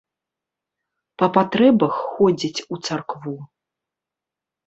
Па патрэбах ходзяць у царкву.